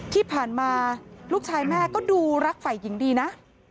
ที่ผ่านมาลูกชายแม่ก็ดูรักฝ่ายหญิงดีนะ